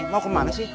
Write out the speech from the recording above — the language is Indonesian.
mau kemana sih